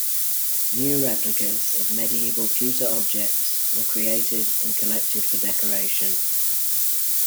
New replicas of medieval pewter objects were created, and collected for decoration.